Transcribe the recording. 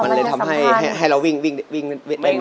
มันจะทำให้เราวิ่งได้นาน